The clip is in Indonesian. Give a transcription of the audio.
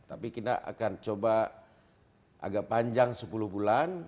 tapi kita akan coba agak panjang sepuluh bulan